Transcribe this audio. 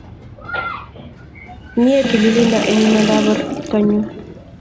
mie tililindo eng imandap portonyo